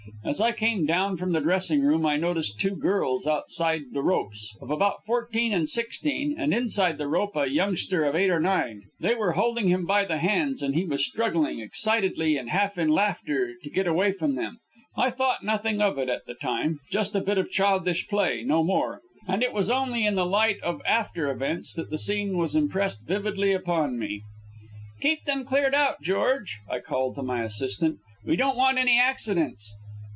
As I came down from the dressing room I noticed two girls outside the ropes, of about fourteen and sixteen, and inside the rope a youngster of eight or nine. They were holding him by the hands, and he was struggling, excitedly and half in laughter, to get away from them. I thought nothing of it at the time just a bit of childish play, no more; and it was only in the light of after events that the scene was impressed vividly upon me. "Keep them cleared out, George!" I called to my assistant. "We don't want any accidents."